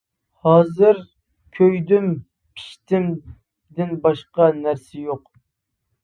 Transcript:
ھازىر كۆيدۈم پىشتىم دىن باشقا نەرسە يوق.